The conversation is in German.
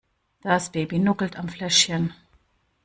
Das Baby nuckelt am Fläschchen.